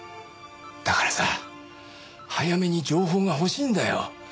だからさ早めに情報が欲しいんだよ。